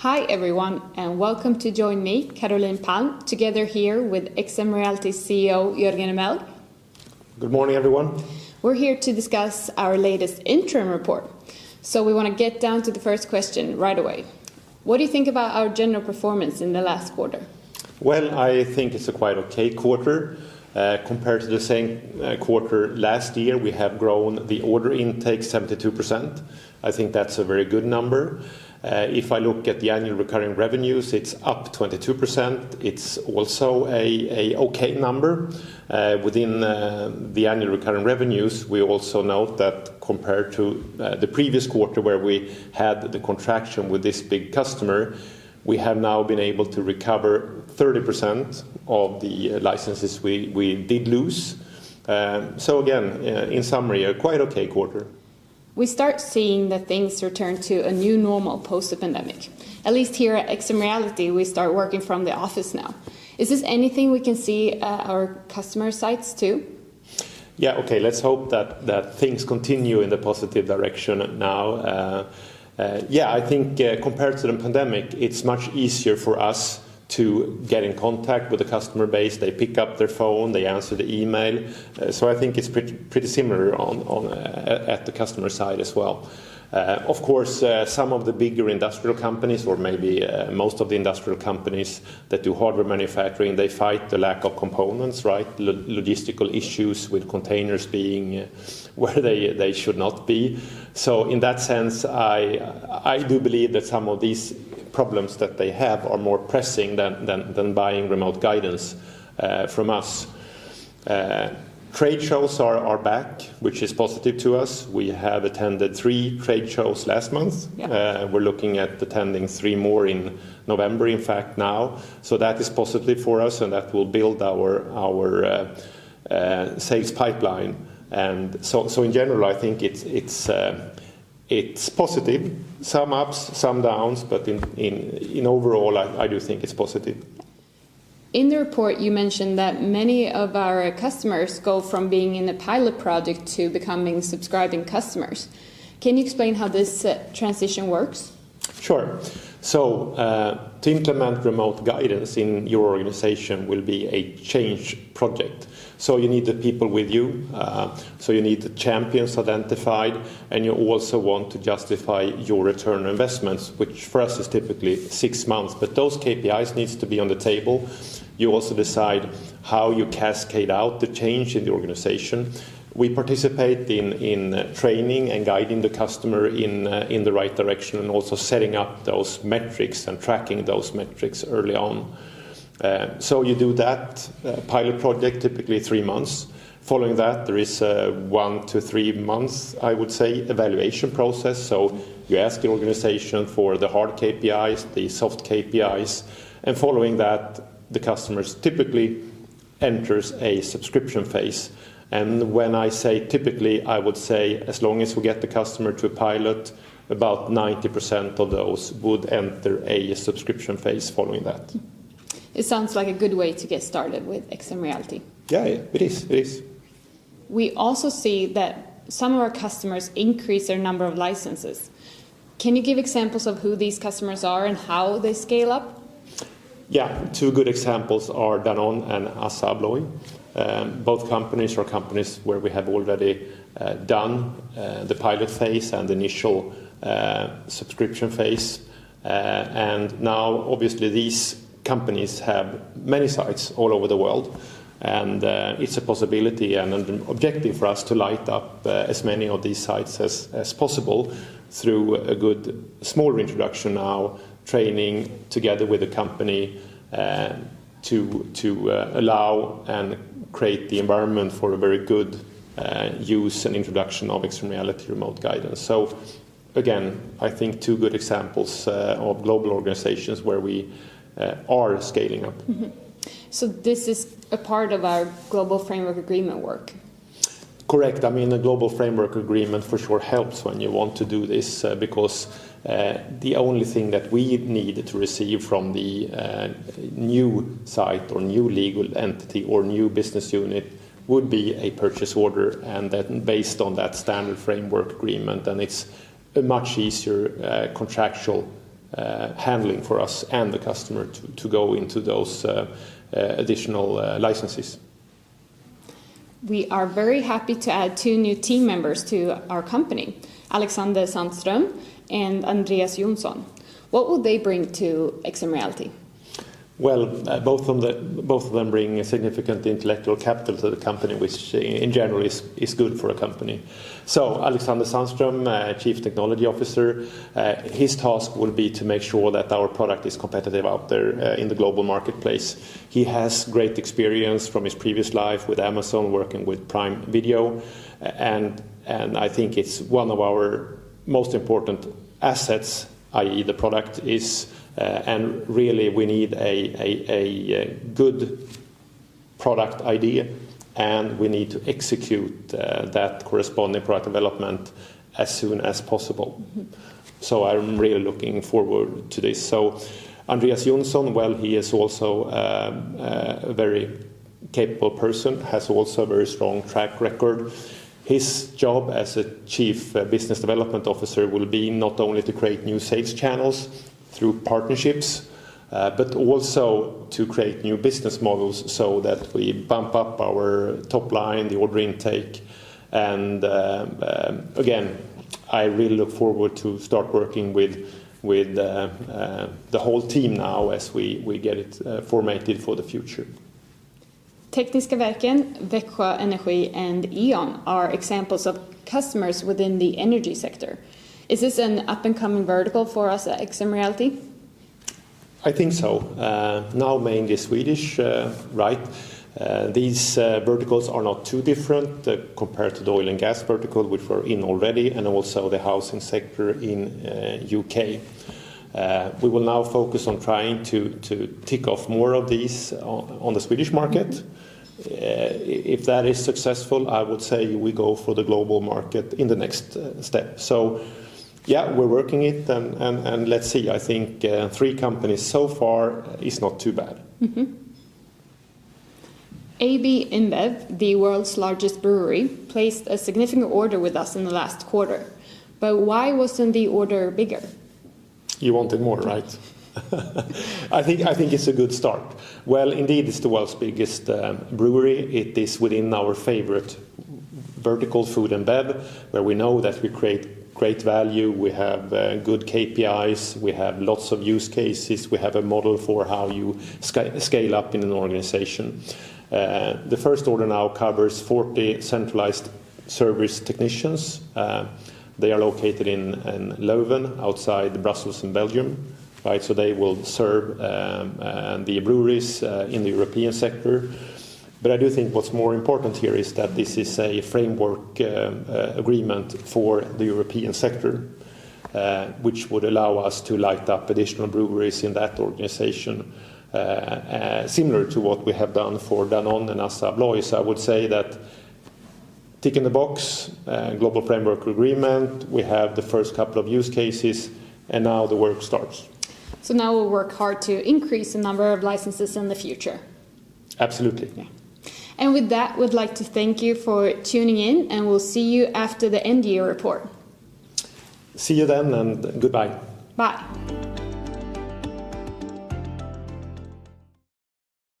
Hi, everyone, welcome to join me, Caroline Palm, together here with XMReality's CEO, Jörgen Remmelg. Good morning, everyone. We're here to discuss our latest interim report. We want to get down to the first question right away. What do you think about our general performance in the last quarter? Well, I think it's a quite okay quarter. Compared to the same quarter last year, we have grown the order intake 72%. I think that's a very good number. If I look at the annual recurring revenues, it's up 22%. It's also an okay number. Within the annual recurring revenues, we also note that compared to the previous quarter, where we had the contraction with this big customer, we have now been able to recover 30% of the licenses we did lose. Again, in summary, a quite okay quarter. We start seeing that things return to a new normal post the pandemic. At least here at XMReality, we start working from the office now. Is this anything we can see at our customer sites, too? Yeah. Okay. Let's hope that things continue in the positive direction now. Yeah, I think compared to the pandemic, it's much easier for us to get in contact with the customer base. They pick up their phone, they answer the email, I think it's pretty similar at the customer side as well. Of course, some of the bigger industrial companies, or maybe most of the industrial companies that do hardware manufacturing, they fight the lack of components, right? Logistical issues with containers being where they should not be. In that sense, I do believe that some of these problems that they have are more pressing than buying remote guidance from us. Trade shows are back, which is positive to us. We have attended three trade shows last month. Yeah. We're looking at attending three more in November, in fact, now. That is positive for us, and that will build our sales pipeline. In general, I think it's positive. Some ups, some downs, but in overall, I do think it's positive. In the report, you mentioned that many of our customers go from being in a pilot project to becoming subscribing customers. Can you explain how this transition works? Sure. To implement remote guidance in your organization will be a change project. You need the people with you need the champions identified, and you also want to justify your return on investments, which for us is typically 6 months. Those KPIs needs to be on the table. You also decide how you cascade out the change in the organization. We participate in training and guiding the customer in the right direction, and also setting up those metrics and tracking those metrics early on. You do that pilot project, typically 3 months. Following that, there is a 1-3 months, I would say, evaluation process. You ask the organization for the hard KPIs, the soft KPIs, and following that, the customers typically enter a subscription phase. When I say typically, I would say as long as we get the customer to a pilot, about 90% of those would enter a subscription phase following that. It sounds like a good way to get started with XMReality. Yeah. It is. We also see that some of our customers increase their number of licenses. Can you give examples of who these customers are and how they scale up? Two good examples are Danone and ASSA ABLOY. Both companies are companies where we have already done the pilot phase and the initial subscription phase. Now obviously these companies have many sites all over the world, and it's a possibility and an objective for us to light up as many of these sites as possible through a good small introduction now, training together with the company to allow and create the environment for a very good use and introduction of XMReality Remote Guidance. Again, I think two good examples of global organizations where we are scaling up. This is a part of our global framework agreement work. Correct. The global framework agreement for sure helps when you want to do this, because the only thing that we need to receive from the new site or new legal entity or new business unit would be a purchase order, and then based on that standard framework agreement, then it's a much easier contractual handling for us and the customer to go into those additional licenses. We are very happy to add two new team members to our company, Alexander Sandström and Andreas Jonsson. What will they bring to XMReality? Well, both of them bring a significant intellectual capital to the company, which in general is good for a company. Alexander Sandström, Chief Technology Officer, his task will be to make sure that our product is competitive out there in the global marketplace. He has great experience from his previous life with Amazon, working with Prime Video, and I think it's one of our most important assets, i.e. the product is. Really we need a good product idea, and we need to execute that corresponding product development as soon as possible. I'm really looking forward to this. Andreas Jonsson, well, he is also a very capable person, has also a very strong track record. His job as a chief business development officer will be not only to create new sales channels through partnerships, but also to create new business models so that we bump up our top line, the order intake. Again, I really look forward to start working with the whole team now as we get it formatted for the future. Tekniska Verken, Växjö Energi, and E.ON are examples of customers within the energy sector. Is this an up-and-coming vertical for us at XMReality? I think so. Now mainly Swedish. These verticals are not too different compared to the oil and gas vertical, which we're in already, and also the housing sector in U.K. We will now focus on trying to tick off more of these on the Swedish market. If that is successful, I would say we go for the global market in the next step. Yeah, we're working it, and let's see. I think 3 companies so far is not too bad. Mm-hmm. AB InBev, the world's largest brewery, placed a significant order with us in the last quarter. Why wasn't the order bigger? You wanted more, right? I think it's a good start. Well, indeed, it's the world's biggest brewery. It is within our favorite vertical, food and bev, where we know that we create great value. We have good KPIs, we have lots of use cases. We have a model for how you scale up in an organization. The first order now covers 40 centralized service technicians. They are located in Leuven, outside Brussels, in Belgium. They will serve the breweries in the European sector. I do think what's more important here is that this is a framework agreement for the European sector, which would allow us to light up additional breweries in that organization, similar to what we have done for Danone and ASSA ABLOY. I would say that, tick in the box, Global Framework Agreement, we have the first couple of use cases, and now the work starts. Now we'll work hard to increase the number of licenses in the future. Absolutely. Yeah. With that, we'd like to thank you for tuning in, and we'll see you after the end of year report. See you then, and goodbye. Bye.